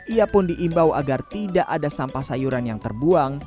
ia pun diimbau agar tidak ada sampah sayuran yang terbuang